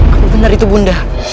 apa benar itu bunda